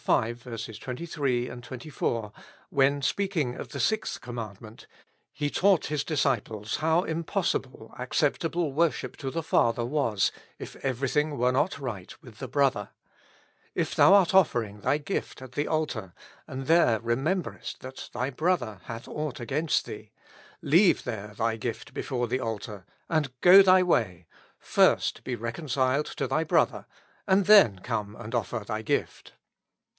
v. 23, 24), when speaking of the sixth commandment, He taught His disciples how impos IIO With Christ in the School of Prayer. sible acceptable worship to the Father was if every thing were not right with the brother; "If thou art offering thy gift at the altar, and there rememberest that thy brother hath aught against thee, leave there thy gift before the altar, and go thy way ; first be reconciled to thy brother, and then come and offer thy gift."